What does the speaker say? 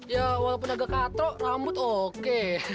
ya walaupun agak katro rambut oke